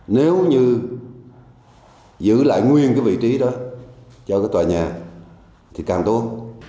nếu như giữ lại nguyên cái vị trí đó cho cái tòa nhà thì càng tốt